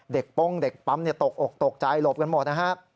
เด็กป้องเด็กปั๊มตกตกใจหลบกันหมดนะครับ